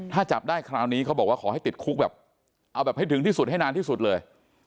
ถ้าจับได้คราวนี้ขอให้ติดคุกให้ถึงที่สุดให้นานที่สุดเลย